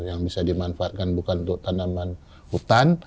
yang bisa dimanfaatkan bukan untuk tanaman hutan